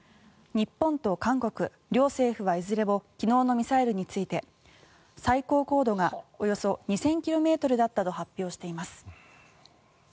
日本と韓国、両政府はいずれも昨日のミサイルについて最高高度がおよそ２０００ｋｍだったと発表しています。